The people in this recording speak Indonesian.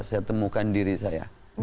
saya temukan diri saya